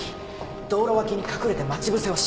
道路脇に隠れて待ち伏せをします。